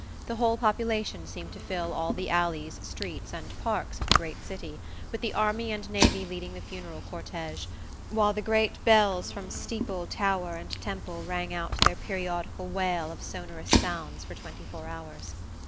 The whole population seemed to fill all the alleys, streets and parks of the great city, with the army and navy leading the funeral cortege, while the great bells from steeple, tower and temple rang out their periodical wail of sonorous sounds for twenty four hours.